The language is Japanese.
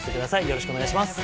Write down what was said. よろしくお願いします。